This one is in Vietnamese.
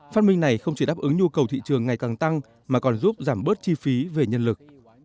phát minh này không chỉ đáp ứng nhu cầu thị trường ngày càng tăng mà còn giúp giảm bớt chi phí về nhân lực